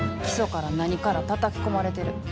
基礎から何からたたき込まれてる。